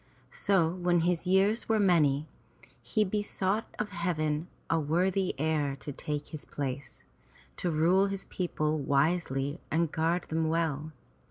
So when his years were many, he besought of Heaven a worthy heir to take his place, to rule his people wisely and guard them well.